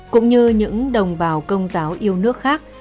cũng như những đồng bào công giáo yêu nước khác